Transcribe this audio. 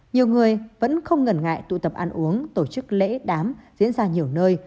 nhiều người vẫn không ngần ngại tụ tập ăn uống tổ chức lễ đám diễn ra nhiều nơi